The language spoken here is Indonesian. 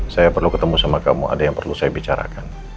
saya perlu ketemu sama kamu ada yang perlu saya bicarakan